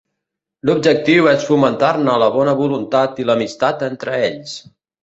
L'objectiu és fomentar-ne la bona voluntat i l'amistat entre ells.